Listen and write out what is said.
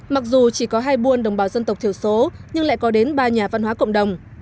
mặc dù chỉ có hai buôn đồng bào dân tộc thiểu số nhưng lại có đến ba nhà văn hóa cộng đồng